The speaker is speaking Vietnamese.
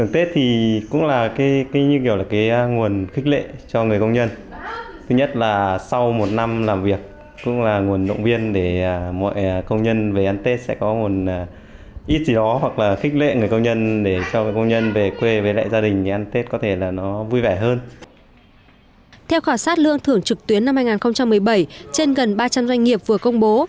theo khảo sát lương thưởng trực tuyến năm hai nghìn một mươi bảy trên gần ba trăm linh doanh nghiệp vừa công bố